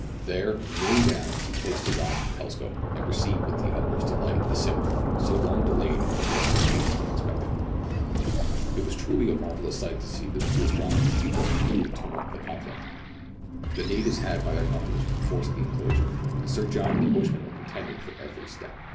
There, kneeling down, he place4 his ey€ to the telescope, and perceived with the utmost delight the signal, so long delayed and yet so patiently expected. It was truly a marvellous sight to see these two astro nomers work during the tumult of the conflict. The natives had by their numbers forced the enclosure, and Sir John and the bushman were contending for every step.